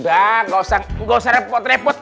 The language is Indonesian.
udah gak usah gak usah repot repot